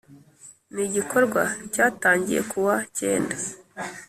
Ni igikorwa cyatangiye ku wa cyenda